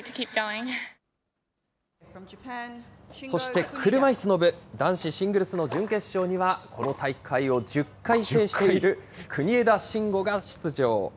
そして車いすの部、男子シングルスの準決勝には、この大会を１０回制している、国枝慎吾が出場。